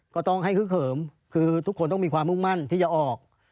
ก็ต้องให้ฮึกเหิมคือทุกคนต้องมีความมุ่งมั่นที่จะออก